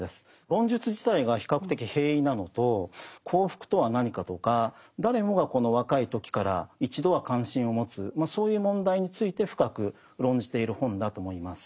論述自体が比較的平易なのと幸福とは何かとか誰もが若い時から一度は関心を持つそういう問題について深く論じている本だと思います。